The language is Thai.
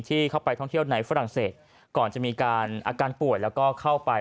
เข้าไปท่องเที่ยวในฝรั่งเศสก่อนจะมีการอาการป่วยแล้วก็เข้าไป